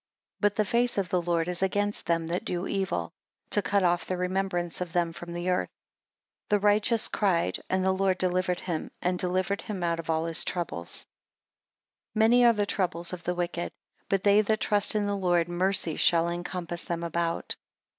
6 But the face of the Lord is against them that do evil, to cut off the remembrance of them from the earth. 7 The righteous cried, and the Lord heard him, and delivered him out of all his troubles. 8 Many are the troubles of the wicked; but they that trust in the Lord mercy shall encompass them about.